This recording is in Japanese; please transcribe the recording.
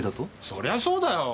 そりゃそうだよ。